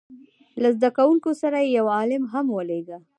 له زده کوونکو سره یې یو عالم هم ولېږه.